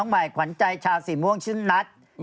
ใหม่ขวัญใจชาวสีม่วงชื่อนัท